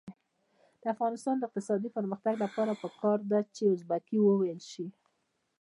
د افغانستان د اقتصادي پرمختګ لپاره پکار ده چې ازبکي وویل شي.